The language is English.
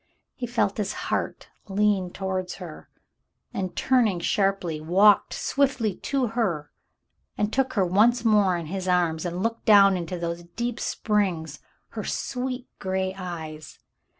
He felt his heart lean towards her, and, turning sharply, walked swiftly to her and took her once more in his arms and looked down into those deep springs — her sweet gray eyes.